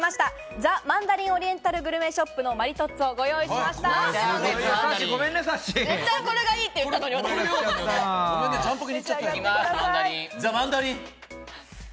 ザマンダリンオリエンタルグルメショップのマリトッツォをご用意しました。